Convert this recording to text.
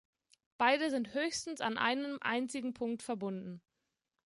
Beide sind höchstens an einem einzigen Punkt verbunden.